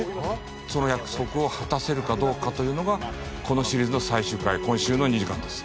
その約束を果たせるかどうかというのがこのシリーズの最終回今週の２時間です。